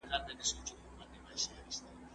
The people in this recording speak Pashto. خوندي چاپېريال کورنۍ ته سکون ورکوي.